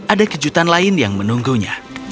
ada kejutan lain yang menunggunya